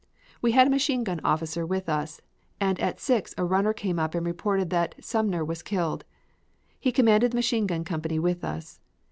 We had a machine gun officer with us and at six a runner came up and reported that Sumner was killed. He commanded the machine gun company with us.